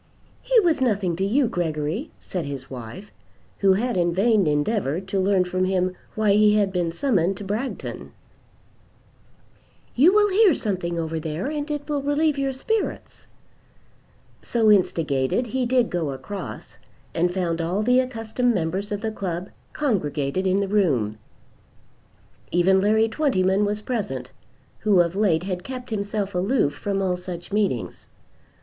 "He was nothing to you, Gregory," said his wife, who had in vain endeavoured to learn from him why he had been summoned to Bragton "You will hear something over there, and it will relieve your spirits." So instigated he did go across, and found all the accustomed members of the club congregated in the room. Even Larry Twentyman was present, who of late had kept himself aloof from all such meetings.